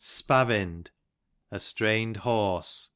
Spavin'd, a strained horse.